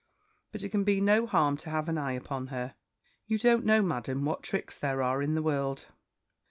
But it can be no harm to have an eye upon her. You don't know, Madam, what tricks there are in the world.'